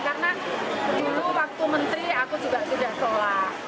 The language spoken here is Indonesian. karena dulu waktu menteri aku juga sudah salah